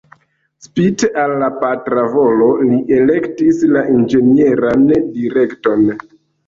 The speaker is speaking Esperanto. Spite al la patra volo, li elektis la inĝenieran direkton.